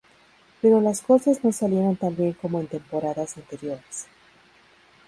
Pero las cosas no salieron tan bien como en temporadas anteriores.